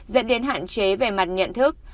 dẫn đến hạn chế về mặt nhận thức